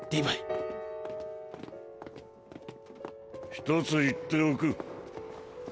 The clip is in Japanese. ひとつ言っておく。